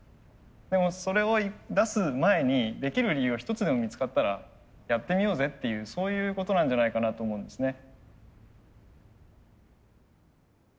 でもそれを出す前にできる理由が一つでも見つかったらやってみようぜっていうそういうことなんじゃないかなと思うんですね。